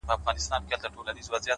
ستا د پښې پايزيب مي تخنوي گلي!!